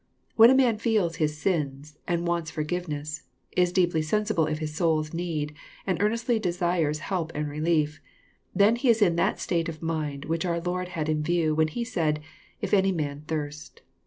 When a man feels_his sins, and wants forgiveness ::5sjdeeply sensible of his soul's need, and ear nestly desires help and relief — then he is in that state of mind which our Lord had in view, when he said, " If any man thirst."